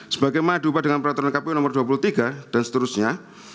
sebagaimana diubah dengan peraturan kpu nomor dua puluh tiga dan seterusnya